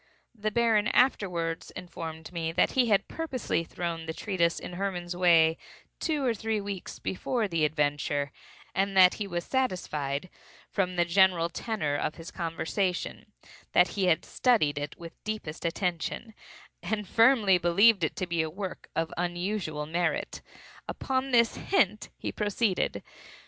The Baron afterwards informed me that he had purposely thrown the treatise in Hermann's way two or three weeks before the adventure, and that he was satisfied, from the general tenor of his conversation, that he had studied it with the deepest attention, and firmly believed it to be a work of unusual merit. Upon this hint he proceeded.